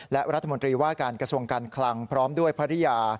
และรัฐมนตรีว่าการกระทรวงการคลังพร้อมด้วยภรรยา